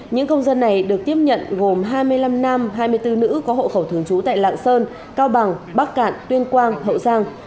những công dân này được tiếp nhận gồm hai mươi năm nam hai mươi bốn nữ có hộ khẩu thường trú tại lạng sơn cao bằng bắc cạn tuyên quang hậu giang